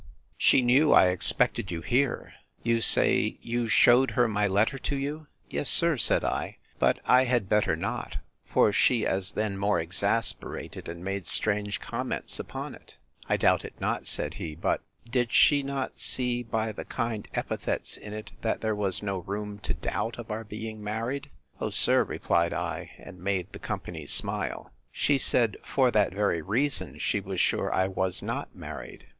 She knew I expected you here: You say, you shewed her my letter to you? Yes, sir, said I; but I had better not; for she as then more exasperated, and made strange comments upon it. I doubt it not, said he; but, did she not see, by the kind epithets in it, that there was no room to doubt of our being married? O, sir, replied I, and made the company smile, she said, For that very reason she was sure I was not married.